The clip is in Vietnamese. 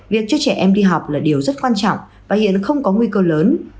việc cho trẻ em đi học là điều rất quan trọng và hiện không có nguy cơ lớn